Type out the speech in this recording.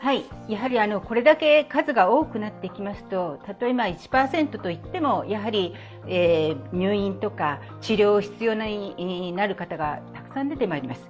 やはりこれだけ数が多くなってきますと、たとえ１％といってもやはり入院とか治療が必要になる方がたくさん出てまいります。